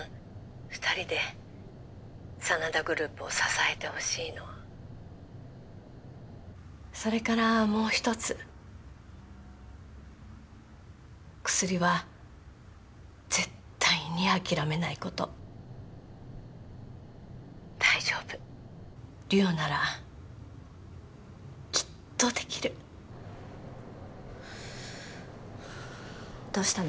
２人で☎真田グループを支えてほしいのそれからもう一つ薬は絶対に諦めないこと大丈夫梨央ならきっとできるどうしたの？